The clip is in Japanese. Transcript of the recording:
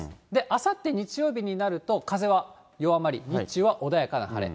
あさって日曜日になると、風は弱まり、日中は穏やかな晴れ。